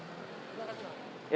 terima kasih bang